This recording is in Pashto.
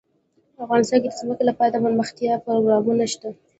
افغانستان کې د ځمکه لپاره دپرمختیا پروګرامونه شته.